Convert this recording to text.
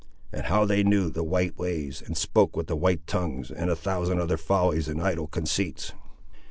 And how they knew the white ways, and spoke with white tongues, and a thousand other follies and idle conceits."